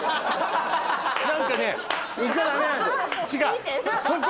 違う。